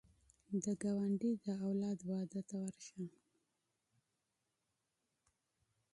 د ګاونډي د اولاد واده ته ورشه